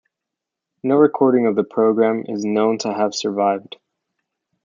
No recording of the program is known to have survived.